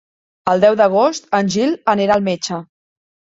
El deu d'agost en Gil anirà al metge.